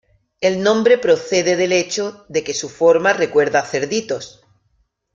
El nombre procede del hecho de que su forma recuerda a cerditos.